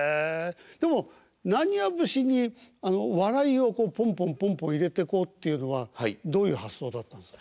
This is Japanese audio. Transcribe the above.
でも浪花節に笑いをポンポンポンポン入れてこうっていうのはどういう発想だったんですか？